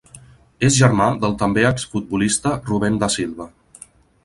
És germà del també exfutbolista Rubén da Silva.